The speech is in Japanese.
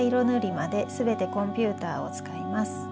ぬりまですべてコンピューターをつかいます。